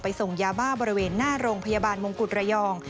ส่งยาบ้าบริเวณหน้าโรงพยาบาลมงกุฎระยอง